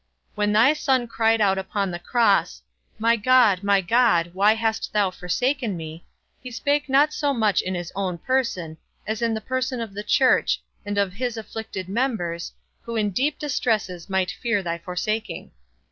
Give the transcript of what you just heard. When thy Son cried out upon the cross, My God, my God, why hast thou forsaken me? he spake not so much in his own person, as in the person of the church, and of his afflicted members, who in deep distresses might fear thy forsaking.